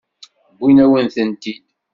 Wwin-awen-tent-id.